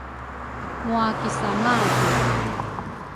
Ngwa kisia madu